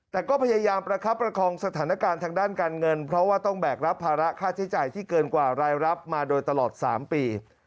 แต่ก็พยายามประคับประคองสถานการณ์ทางด้านการเงินเพราะว่าต้องแบกรับภาระค่าใช้จ่ายที่เกินกว่ารายรับมาโดยตลอด๓ปี